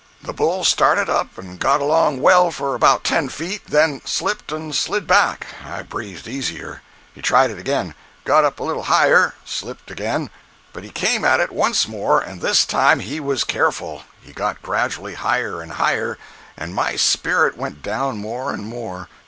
"The bull started up, and got along well for about ten feet, then slipped and slid back. I breathed easier. He tried it again—got up a little higher—slipped again. But he came at it once more, and this time he was careful. He got gradually higher and higher, and my spirits went down more and more.